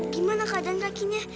gimana keadaan kakinya